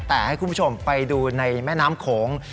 แต่ให้คุณผู้ชมไปดูในแม่น้ำโขง